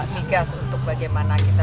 migas untuk bagaimana kita